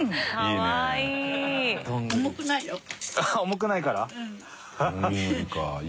重くないから？